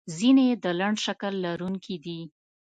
ځینې یې د لنډ شکل لرونکي دي.